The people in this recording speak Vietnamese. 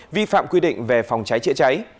vi phạm quy định về phòng cháy chữa cháy